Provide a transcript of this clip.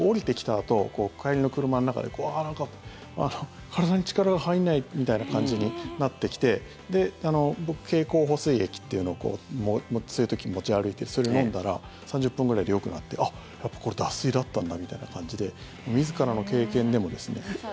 あと帰りの車の中でなんか、体に力が入んないみたいな感じになってきて僕、経口補水液っていうのをそういう時に持ち歩いてそれを飲んだら３０分ぐらいでよくなってやっぱりこれ脱水だったんだみたいな感じで時差だ。